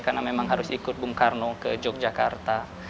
karena memang harus ikut bung karno ke yogyakarta